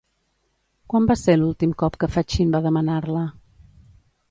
Quan va ser l'últim cop que Fachín va demanar-la?